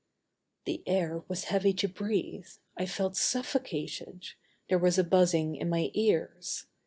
The air was heavy to breathe; I felt suffocated; there was a buzzing in my ears.